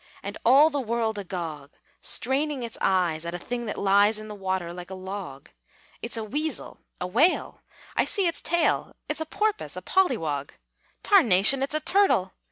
And all the world agog Straining its eyes At a thing that lies In the water, like a log! It's a weasel! a whale! I see its tail! It's a porpoise! a pollywog! Tarnation! it's a turtle!